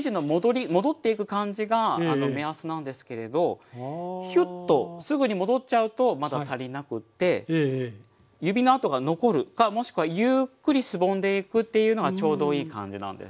戻っていく感じが目安なんですけれどヒュッとすぐに戻っちゃうとまだ足りなくって指の跡が残るかもしくはゆっくりしぼんでいくっていうのがちょうどいい感じなんです。